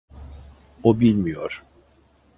O bilmiyor.